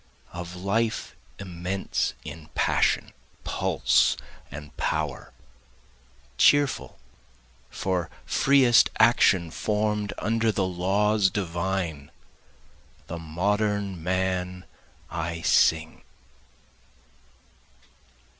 Of Life immense in passion, pulse, and power, Cheerful, for freest action form'd under the laws divine, The Modern Man I sing.